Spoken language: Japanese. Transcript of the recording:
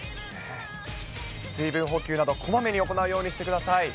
水分補給などこまめに行うようにしてください。